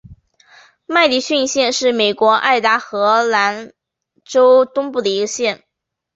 麦迪逊县是美国爱达荷州东部的一个县。